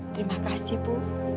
terima kasih bu